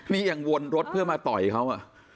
นี่ยังวนรถเพื่อมาต่อยเขา